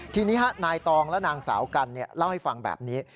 ทีนี้นายตองและนางสาวกันเล่าให้ฟังแบบนี้